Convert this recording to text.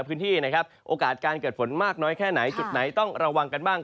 พื้นที่นะครับโอกาสการเกิดฝนมากน้อยแค่ไหนจุดไหนต้องระวังกันบ้าง